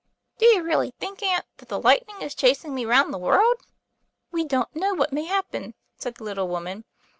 " Do you really think, aunt, that the lightning is chasing me round the world?" "We don't know what may happen," said the little woman.